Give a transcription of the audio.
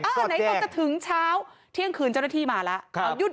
ไหนตอนจะถึงเช้าเที่ยงคืนเจ้าหน้าที่มาแล้ว